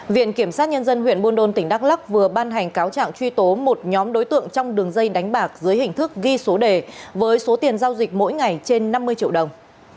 viện kiểm sát nhân dân huyện buôn đôn tỉnh đắk lắc vừa ban hành cáo trạng truy tố một nhóm đối tượng trong đường dây đánh bạc dưới hình thức ghi số đề với số tiền giao dịch mỗi ngày trên năm mươi triệu đồng